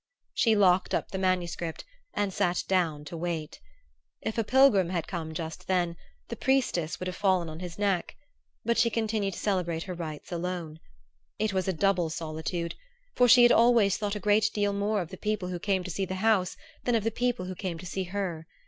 She locked up the manuscript and sat down to wait. If a pilgrim had come just then the priestess would have fallen on his neck; but she continued to celebrate her rites alone. It was a double solitude; for she had always thought a great deal more of the people who came to see the House than of the people who came to see her.